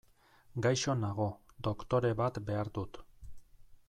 Gaixo nago, doktore bat behar dut.